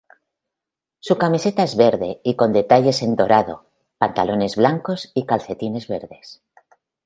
Su camiseta es verde y con detalles en dorado, pantalones blancos y calcetines verdes.